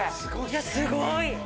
すごい！